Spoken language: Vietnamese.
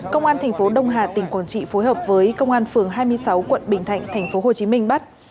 công an thành phố đông hà tỉnh quảng trị phối hợp với công an phường hai mươi sáu quận bình thạnh tp hcm bắt